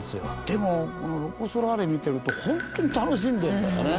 でもロコ・ソラーレ見てると本当に楽しんでるんだよね